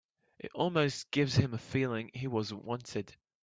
It almost gives him a feeling he wasn't wanted.